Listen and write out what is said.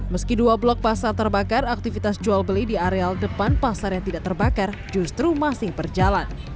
meski dua blok pasar terbakar aktivitas jual beli di areal depan pasar yang tidak terbakar justru masih berjalan